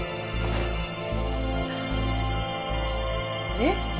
えっ？